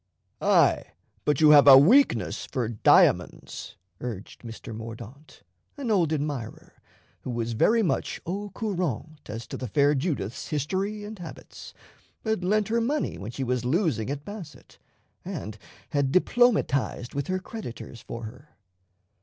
"Ay, but you have a weakness for diamonds," urged Mr. Mordaunt, an old admirer, who was very much au courant as to the fair Judith's history and habits, had lent her money when she was losing at basset, and had diplomatized with her creditors for her.